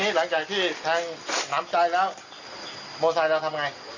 หลังจากที่แทงน้ำใจแล้วโมไซค์เราทำไง